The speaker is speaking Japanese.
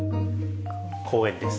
公園です。